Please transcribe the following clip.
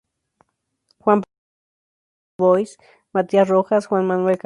Juan Pablo Ferreyra, Iván Dubois, Matías Rojas, Juan Manuel Cavallo.